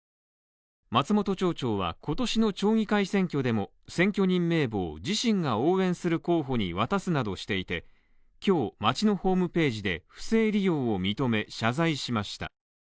松本町長は今年の町議会選挙でも選挙人名簿を自身が応援する候補に渡すなどしていて、今日、町のホームページで不正利用を認め謝罪しました。